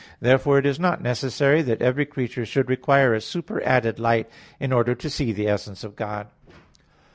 Therefore it is not necessary that every creature should require a superadded light in order to see the essence of God.